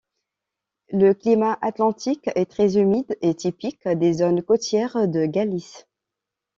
Le climat atlantique est très humide et typique des zones côtières de Galice.